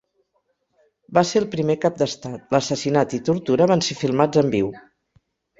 Va ser el primer cap d'estat l'assassinat i tortura van ser filmats en viu.